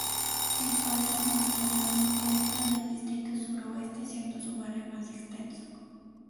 Se encuadra administrativamente dentro del distrito Suroeste, siendo su barrio más extenso.